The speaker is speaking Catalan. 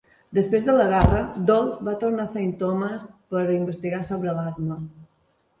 Després de la guerra, Doll va tornar a Saint Thomas per investigar sobre l'asma.